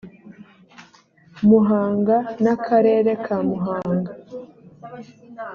muhanga n akarere ka muhanga